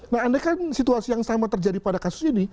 nah andaikan situasi yang sama terjadi pada kasus ini